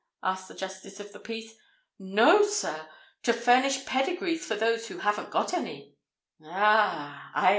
asked the Justice of the Peace. "No, sir—to furnish pedigrees for those who haven't got any." "Ah!